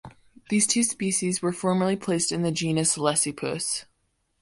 These two species were formerly placed in the genus "Leucippus".